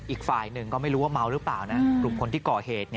อีกฝ่ายหนึ่งก็ไม่รู้ว่าเมาหรือเปล่านะกลุ่มคนที่ก่อเหตุ